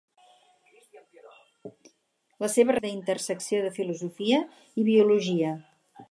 La seva recerca se centra en temes de la intersecció de filosofia i biologia.